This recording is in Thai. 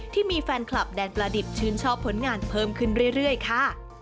ที่มีแฟนคลับแดนประดิบชื่นชอบผลงานเพิ่มขึ้นเรื่อยค่ะ